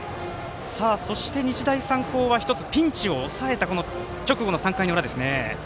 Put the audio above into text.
そして日大三高は１つピンチを抑えたこの直後の３回の裏ですね。